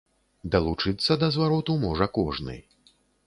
Далучыцца да звароту можа кожны.